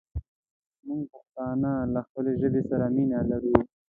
مونږ پښتانه له خپلې ژبې سره مينه لرو